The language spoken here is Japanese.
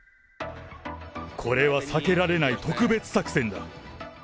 これは避けられない特別作戦だ。